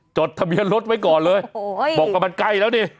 จดทะเบียนรถไว้ก่อนเลยบอกว่ามันใกล้แล้วดิ